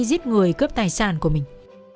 giết người cướp tài sản của mình